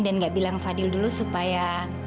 dan nggak bilang fadil dulu supaya